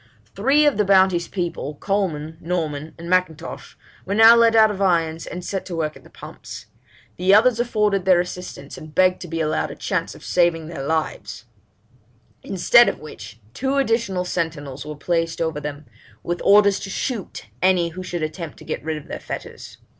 'Three of the Bounty's people, Coleman, Norman, and M'Intosh, were now let out of irons, and sent to work at the pumps. The others offered their assistance, and begged to be allowed a chance of saving their lives; instead of which, two additional sentinels were placed over them, with orders to shoot any who should attempt to get rid of their fetters.